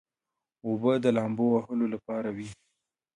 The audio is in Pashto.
اوبه د لامبو وهلو لپاره وي.